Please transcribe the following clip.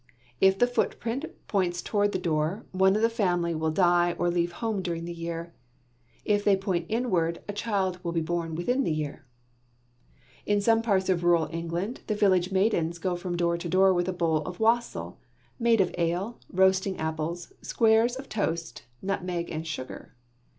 If the footprint points towards the door, one of the family will die or leave home during the year. If they point inward, a child will be born within the year. In some parts of rural England, the village maidens go from door to door with a bowl of wassail, made of ale, roasted apples, squares of toast, nutmeg, and sugar.